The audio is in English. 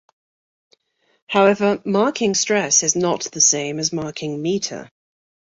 However, marking stress is not the same as marking meter.